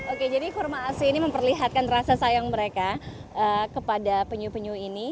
oke jadi kurma asi ini memperlihatkan rasa sayang mereka kepada penyu penyu ini